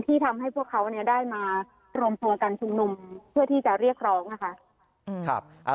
ทำให้พวกเขาได้มารวมตัวกันชุมนุมเพื่อที่จะเรียกร้องนะคะ